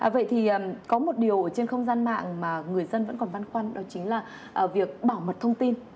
vậy thì có một điều trên không gian mạng mà người dân vẫn còn băn khoăn đó chính là việc bảo mật thông tin